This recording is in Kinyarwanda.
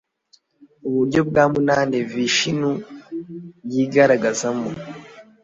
uburyo bwa munani vishinu yigaragazamo